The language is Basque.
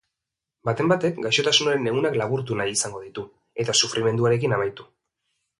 Baten batek, gaixotasunaren egunak laburtu nahi izango ditu eta sufrimentuarekin amaitu.